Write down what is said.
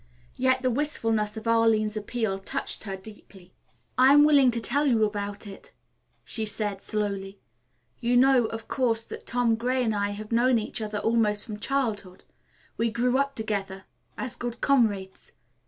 Yet the wistfulness of Arline's appeal touched her deeply. "I am willing to tell you about it," she said slowly. "You know, of course, that Tom Gray and I had known each other almost from childhood. We grew up together as good comrades.